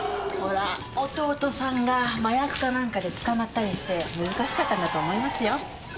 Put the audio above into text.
ほら弟さんが麻薬かなんかで捕まったりして難しかったんだと思いますよ。